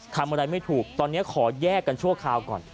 ทำอะไรไม่ถูกตอนนี้ขอแยกกันชั่วคราวก่อน